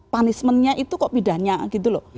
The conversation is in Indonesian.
punishmentnya itu kok bidannya gitu loh